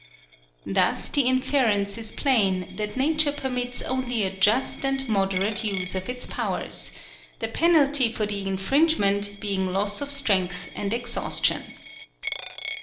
Thus the inference is plain that nature permits only a just and moderate use of its powers — the penalty for the infringement be ing loss of strength and exhaustion.